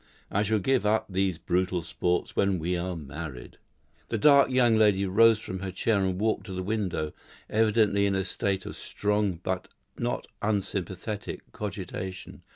I shall give up these brutal sports when we are married." The dark young lady rose from her chair and walked to the window, evidently in a state of strong but not unsympathetic cogitation.